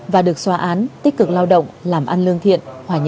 và được xóa án tích cực lao động làm ăn lương thiết